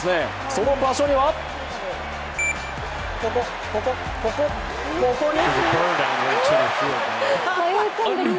その場所にはここ、ここ、ここに！